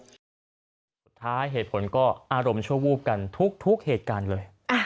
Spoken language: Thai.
สุดท้ายเหตุผลก็อารมณ์ชั่ววูบกันทุกเหตุการณ์เลย